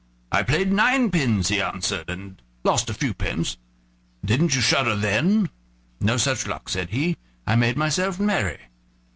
"I played ninepins," he answered, "and lost a few pence." "Didn't you shudder then?" "No such luck," said he; "I made myself merry.